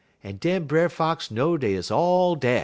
un den Brer Fox know dey 'uz all dar.